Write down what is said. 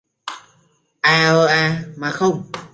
À ờ à mà không